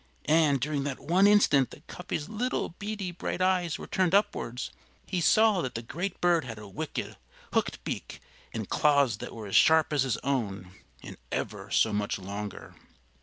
And during that one instant that Cuffy's little beady bright eyes were turned upwards he saw that the great bird had a wicked, hooked beak and claws that were as sharp as his own, and ever so much longer.